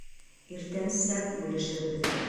Иртәнсәк бүлешербеҙ.